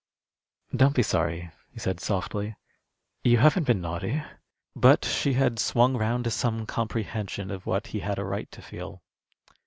"Don't be sorry," he said, softly. "You haven't been naughty." But she had swung round to some comprehension of what he had a right to feel.